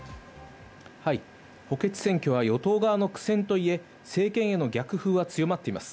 はい、補欠選挙は与党側の苦戦といえ、政権への逆風は強まっています。